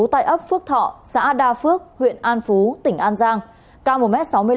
tại ấp phước thọ xã đa phước huyện an phú tỉnh an giang cao một m sáu mươi năm